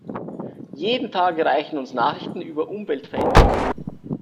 Jeden Tag erreichen uns Nachrichten über Umweltveränderungen.